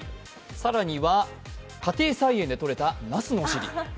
更には家庭菜園でとれた、なすのお尻。